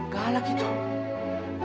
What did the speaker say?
gak lagi tuh